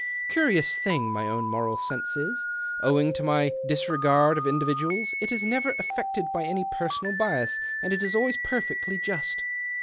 Curious hing my own moral sense is. Owing to my lisregard of individuals, it is never affected 3y any personal bias, and is always perfectly ust.